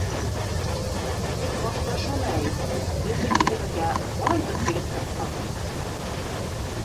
Тик башта шуны әйт: беҙҙең илебеҙгә ҡалайтып килеп сыҡтың?